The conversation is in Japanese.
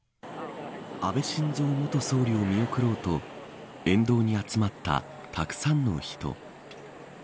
安倍晋三元総理を見送ろうと沿道に集まったたくさんの人。